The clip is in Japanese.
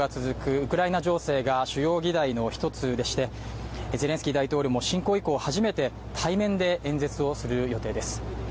ウクライナ情勢が主要議題の一つでして、ゼレンスキー大統領も侵攻以降初めて対面で演説をする予定です。